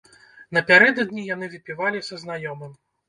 Напярэдадні яны выпівалі са знаёмым.